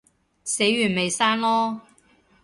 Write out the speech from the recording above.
死完咪生囉